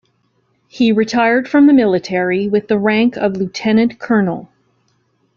He retired from the military with the rank of lieutenant colonel.